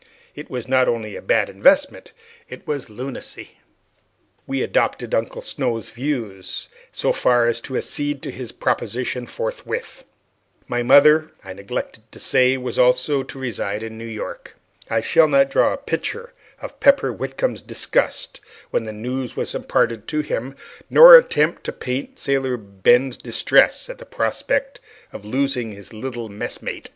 It was not only a bad investment, it was lunacy. 'We adopted Uncle Snow's views so far as to accede to his proposition forthwith. My mother, I neglected to say, was also to reside in New York. I shall not draw a picture of Pepper Whitcomb's disgust when the news was imparted to him, nor attempt to paint Sailor Ben's distress at the prospect of losing his little messmate.